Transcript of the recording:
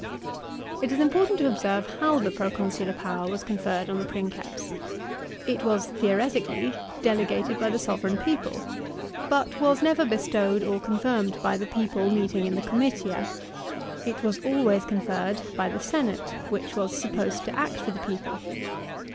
It is important to observe how the proconsular power was conferred on the Princeps. It was, theoretically, delegated by th« sovran people, but was never bestowed or confirmed by the people meeting in the comitia. It was always conferred by the senate, which was supposed to act for the people.